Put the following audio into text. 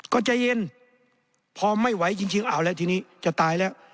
ก็ใจเย็นพอไม่ไหวจริงทีนี้จะตายแล้ว